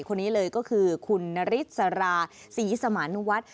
คนนี้เลยก็คือคุณนฤษราศรีสมานุวัฒน์